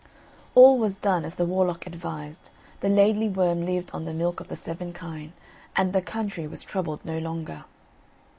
All was done as the warlock advised, the Laidly Worm lived on the milk of the seven kine, and the country was troubled no longer.